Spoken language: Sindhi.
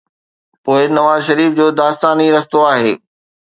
پوءِ نواز شريف جو داستان ئي رستو آهي.